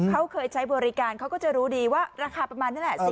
เขาเคยใช้บริการเขาก็จะรู้ดีว่าราคาประมาณนั้นแหละ